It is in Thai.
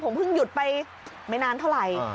ผมเพิ่งหยุดไปไม่นานเท่าไหร่